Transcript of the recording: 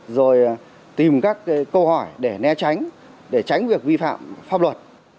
rồi tìm các câu hỏi để né tránh để tránh việc vi phạm pháp luật